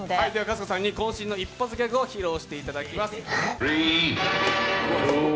こん身の一発ギャグを披露していただきます！